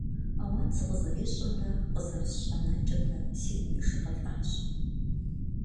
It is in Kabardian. Ауан сыкъызэрищӀымрэ къызэрысщӀэнакӀэмрэ си гум ешыкъылӀащ.